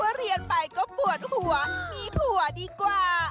เรียนไปก็ปวดหัวมีผัวดีกว่า